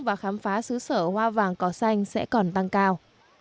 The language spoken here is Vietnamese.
và khám phá xứ sở hoa vàng cỏ xanh sẽ còn tăng cao